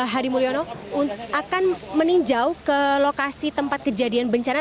hadi mulyono akan meninjau ke lokasi tempat kejadian bencana